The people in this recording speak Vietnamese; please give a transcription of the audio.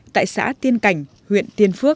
tại xã tiên cảnh huyện tiên phước